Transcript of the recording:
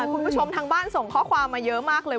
คุณผู้ชมทางบ้านส่งข้อความมาเยอะมากเลย